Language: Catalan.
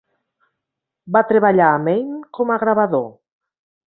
Va treballar a Maine com a gravador.